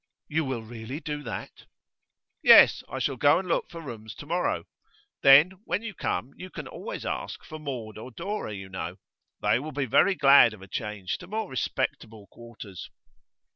'You will really do that?' 'Yes. I shall go and look for rooms to morrow. Then when you come you can always ask for Maud or Dora, you know. They will be very glad of a change to more respectable quarters.